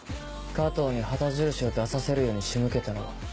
加藤に旗印を出させるように仕向けたのは。